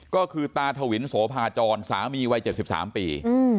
ก็คือตาถวินโสภาจรสามีวัยเจ็ดสิบสามปี